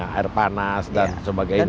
air panas dan sebagainya